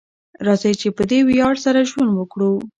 راځئ چې په دې ویاړ سره ژوند وکړو.